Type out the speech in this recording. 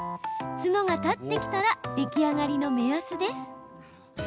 角が立ってきたら出来上がりの目安です。